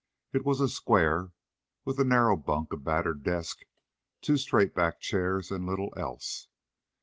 It was a square with a narrow bunk, a battered desk, two straight back chairs and little else.